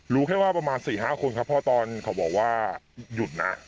รู้แค่ว่าประมาณ๔๕คนครับเพราะตอนเขาบอกว่าหยุดนะ